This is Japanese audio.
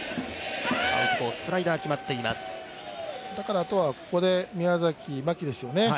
あとは、ここで宮崎、牧ですよね。